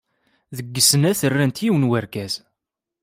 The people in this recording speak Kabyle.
Deg snat rant yiwen n urgaz.